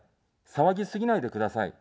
騒ぎすぎないでください。